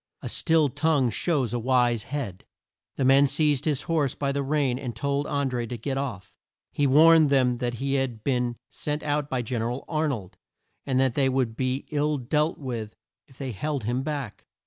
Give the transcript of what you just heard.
"A still tongue shows a wise head." The men seized his horse by the rein and told An dré to get off. He warned them that he had been sent out by Gen er al Ar nold and that they would be ill dealt with if they held him back.